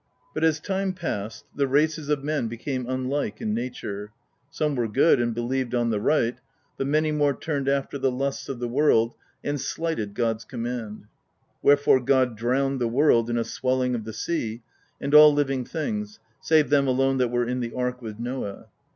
But as time passed, the races of men became unlike in nature: some were good and believed on the right; but many more turned after the lusts of the world and slighted God's command. Wherefore, God drowned the world in a swelling of the sea, and all living things, save them alone that were in the ark with Noah.